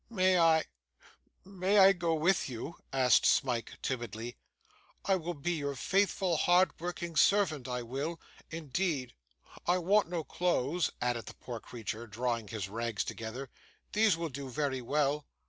'May I may I go with you?' asked Smike, timidly. 'I will be your faithful hard working servant, I will, indeed. I want no clothes,' added the poor creature, drawing his rags together; 'these will do very well.